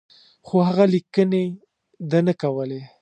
خو هغه لیکني ده نه کولې.